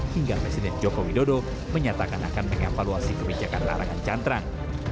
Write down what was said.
hingga presiden joko widodo menyatakan akan mengevaluasi kebijakan larangan cantrang